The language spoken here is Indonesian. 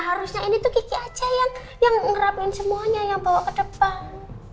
harusnya ini tuh kiki aja yang ngerapin semuanya yang bawa ke depan